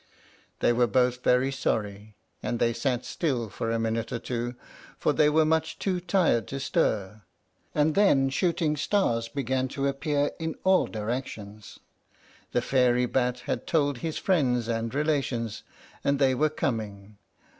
They were both very sorry, and they sat still for a minute or two, for they were much too tired to stir; and then shooting stars began to appear in all directions. The fairy bat had told his friends and relations, and they were coming.